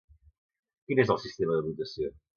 Quin és el sistema de votació?